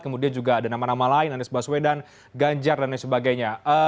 kemudian juga ada nama nama lain anies baswedan ganjar dan lain sebagainya